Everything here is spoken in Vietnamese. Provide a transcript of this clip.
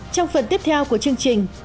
trong phần tiếp theo của chương trình